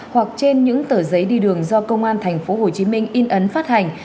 hoặc trên những tờ giấy đi đường do công an tp hồ chí minh in ấn phát hành